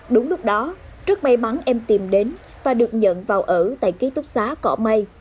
đúng lúc đó rất may mắn em tìm đến và được nhận vào ở tại ký túc xá cỏ mây